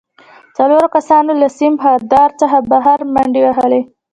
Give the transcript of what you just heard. څلورو کسانو له سیم خاردار څخه بهر منډې وهلې